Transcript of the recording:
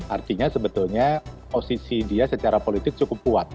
artinya sebetulnya posisi dia secara politik cukup kuat